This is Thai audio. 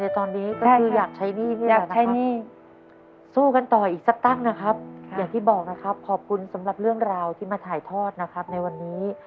ที่มาถ่ายทอดนะครับในวันนี้